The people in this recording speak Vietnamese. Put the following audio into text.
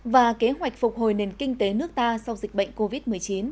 và kế hoạch phục hồi nền kinh tế nước ta sau dịch bệnh covid một mươi chín